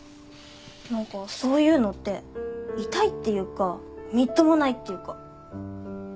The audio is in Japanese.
何かそういうのって痛いっていうかみっともないっていうか。